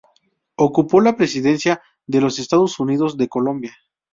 Ocupó la presidencia de los Estados Unidos de Colombia.